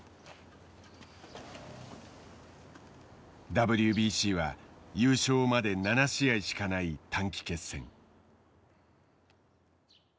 ＷＢＣは優勝まで７試合しかない短期決戦。